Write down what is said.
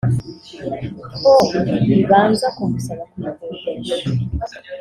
ko bibanza kumusaba kuyikodesha